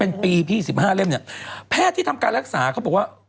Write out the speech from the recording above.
เป็นปีพี่สิบห้าเล่มเนี่ยแพทย์ที่ทำการรักษาเขาบอกว่า